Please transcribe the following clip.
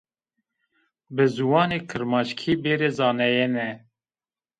Bi ziwanê kirmanckî bêrê zanayene